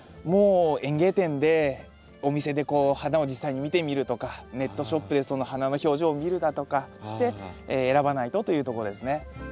もう園芸店でお店でこう花を実際に見てみるとかネットショップでその花の表情を見るだとかして選ばないとというとこですね。